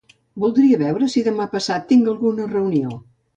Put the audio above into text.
Voldria veure si demà passat tinc alguna reunió.